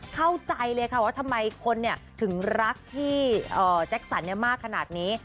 เข้าใจเลยค่ะว่าทำไมคนถึงรักพี่แจ็คสันมากขนาดนี้